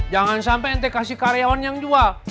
jangan sampe ane kasih karyawan yang jual